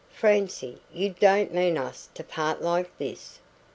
Francie, you don't mean us to part like this?"